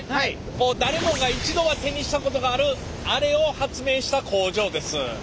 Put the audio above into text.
こう誰もが一度は手にしたことがあるアレを発明した工場です。